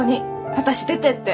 私出てって。